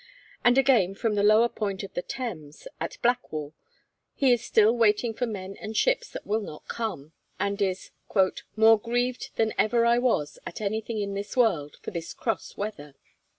And again, from a lower point of the Thames, at Blackwall, he is still waiting for men and ships that will not come, and is 'more grieved than ever I was, at anything in this world, for this cross weather.'